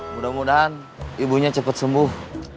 mudah mudahan ibunya cepat sembuh